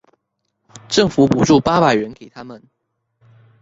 政府補助八百元給他們